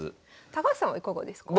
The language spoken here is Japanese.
高橋さんはいかがですか？